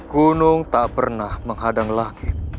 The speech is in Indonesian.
gunung tak pernah menghadang lagi